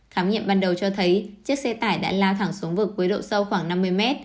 khám nghiệm ban đầu cho thấy chiếc xe tải đã lao thẳng xuống vực với độ sâu khoảng năm mươi mét